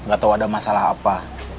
gak tau ada masalah apa